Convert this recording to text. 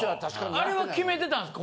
あれは決めてたんですか？